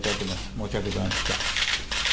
申し訳ございませんでした。